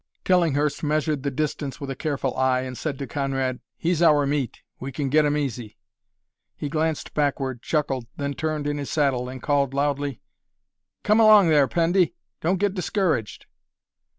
Tillinghurst measured the distance with a careful eye, and said to Conrad, "He's our meat. We can get him easy." He glanced backward, chuckled, then turned in his saddle, and called loudly, "Come along there, Pendy! Don't get discouraged!"